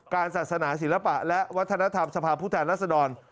การศาสนาศิลปะและวัฒนธรรมสภาพุทธรรมรัษฎร